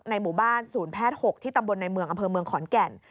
หมู่บ้านศูนย์แพทย์๖ที่ตำบลในเมืองอำเภอเมืองขอนแก่น